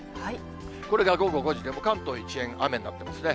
これが午後５時で、関東一円、雨になってますね。